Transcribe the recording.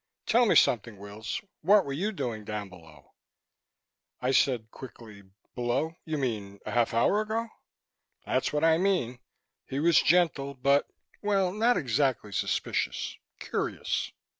"Tell me something, Wills. What were you doing down below?" I said quickly, "Below? You mean a half an hour ago?" "That's what I mean." He was gentle, but well, not exactly suspicious. Curious.